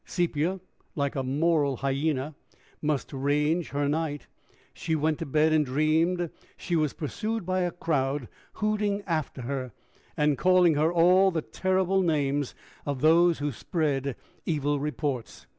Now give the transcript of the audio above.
Sepia, like a moral hyena, must range her night. She went to bed, and dreamed she was pursued by a crowd, hooting after her, and calling her all the terrible names of those who spread evil reports.